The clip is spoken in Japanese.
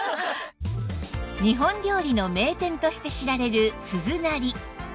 日本料理の名店として知られる鈴なり